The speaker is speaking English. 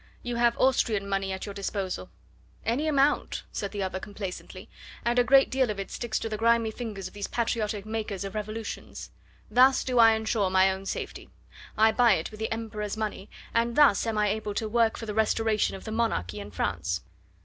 "You have Austrian money at your disposal." "Any amount," said the other complacently, "and a great deal of it sticks to the grimy fingers of these patriotic makers of revolutions. Thus do I ensure my own safety. I buy it with the Emperor's money, and thus am I able to work for the restoration of the monarchy in France."